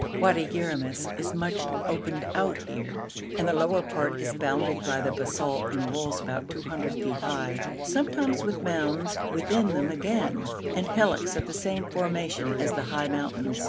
Wadi Yeramis is much opened out here, and the lower part is bounded by the basalt in walls about 200 feet high, sometimes with mounds within them again, and hillocks of the same formation as the high mountains.